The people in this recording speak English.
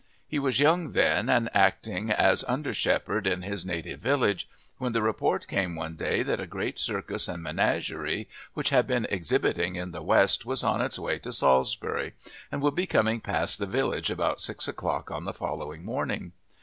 He was young then, and acting as under shepherd in his native village, when the report came one day that a great circus and menagerie which had been exhibiting in the west was on its way to Salisbury, and would be coming past the village about six o'clock on the following morning.